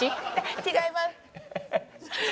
違います。